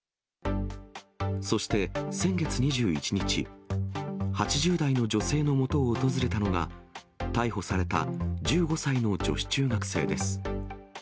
そして、先月２１日、８０代の女性のもとを訪れたのが、逮捕された１５歳の女子中学生です。